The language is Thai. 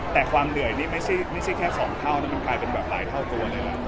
แต่ความเหนื่อยนี่ไม่ใช่แค่๒เท่านะมันกลายเป็นแบบหลายเท่าตัวเลยล่ะ